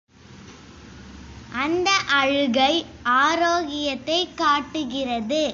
அந்த அழுகை ஆரோக்கியத்தைக் காட்டுகிறது.